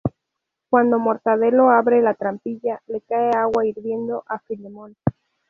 Cuando Mortadelo abre la trampilla, le cae agua hirviendo a Filemón.